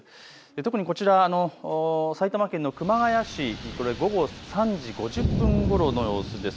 特にこちら、埼玉県の熊谷市、午後３時５０分ごろの様子です。